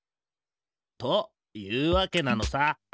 というわけなのさ。